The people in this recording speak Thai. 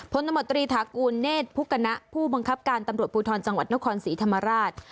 ตมตรีฐากูลเนธพุกณะผู้บังคับการตำรวจภูทรจังหวัดนครศรีธรรมราช